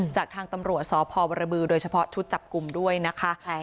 จากทางตำรวจสพบรบือโดยเฉพาะชุดจับกลุ่มด้วยนะคะ